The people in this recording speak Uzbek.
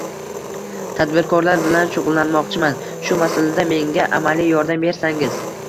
Tadbirkorlik bilan shug‘ullanmoqchiman. Shu masalada menga amaliy yordam bersangiz.